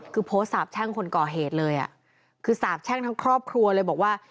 คือโพสต์สาบแช่งคนก่อเหตุเลยอ่ะคือสาบแช่งทั้งครอบครัวเลยบอกว่า